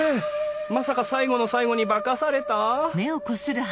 まさか最後の最後に化かされた！？